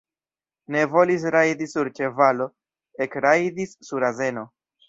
Ne volis rajdi sur ĉevalo, ekrajdis sur azeno.